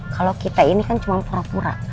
kalau kita ini kan cuma pura pura